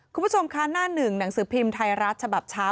คุณผู้ชมคะหน้าหนึ่งหนังสือพิมพ์ไทยรัฐฉบับเช้า